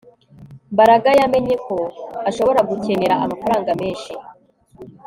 Mbaraga yamenye ko ashobora gukenera amafaranga menshi